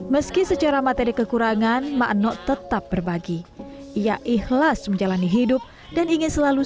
meski secara materi kekurangan makno tetap berbagi ia ikhlas menjalani hidup dan ingin selalu